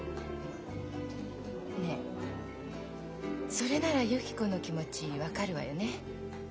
ねえそれならゆき子の気持ち分かるわよね？